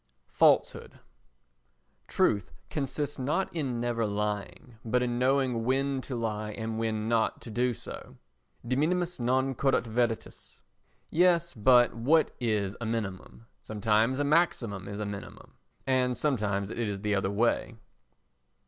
Falsehood i Truth consists not in never lying but in knowing when to lie and when not to do so. De minimis non curat veritas. Yes, but what is a minimum? Sometimes a maximum is a minimum and sometimes it is the other way.